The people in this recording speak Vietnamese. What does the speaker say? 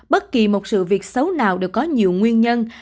bất kỳ một sự việc xấu nào đều có nhiều nguyên nhân